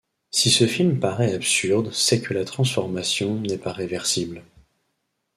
Si ce film paraît absurde c'est que la transformation n'est pas réversible.